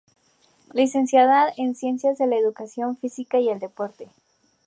Licenciada en Ciencias de la Educación física y el Deporte.